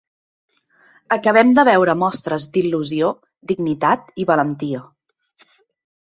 Acabem de veure mostres d’il·lusió, dignitat i valentia.